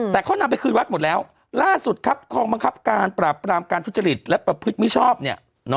แต่เขานำไปคืนวัดหมดแล้วล่าสุดครับกองบังคับการปราบปรามการทุจริตและประพฤติมิชอบเนี่ย